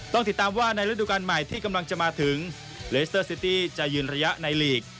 ต้องติดตามว่าในฤดูการใหม่ที่กำลังจะมาถึงเลสเตอร์ซิตี้จะยืนระยะในหลีก